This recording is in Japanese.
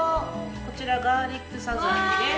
こちらガーリックさざえです。